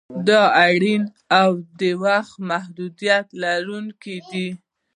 دوی اړین او د وخت محدودیت لرونکي دي.